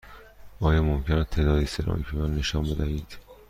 آیا ممکن است تعدادی سرامیک به من نشان بدهید؟